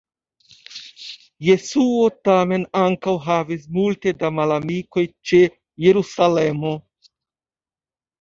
Jesuo tamen ankaŭ havis multe da malamikoj ĉe Jerusalemo.